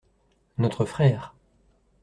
Notre frère.